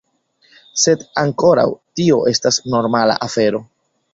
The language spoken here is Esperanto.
Sed ankoraŭ tio estas normala afero.